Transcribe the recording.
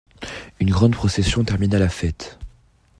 Une grande procession termina la fête.